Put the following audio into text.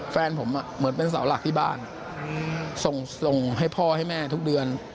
แฟนผมเหมือนเป็นเสาหลักที่บ้านส่งให้พ่อให้แม่ทุกเดือน